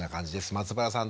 松原さん